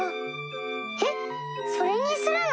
えっそれにするの？